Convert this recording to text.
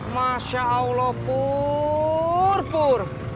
masya allah pur pur